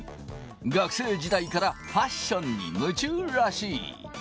学生時代からファッションに夢中らしい。